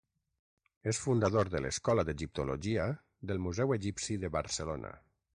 És fundador de l'Escola d'Egiptologia del Museu Egipci de Barcelona.